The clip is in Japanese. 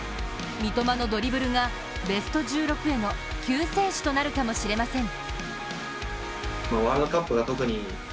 三笘のドリブルがベスト１６への救世主となるかもしれません。